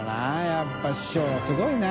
やっぱり師匠はすごいな。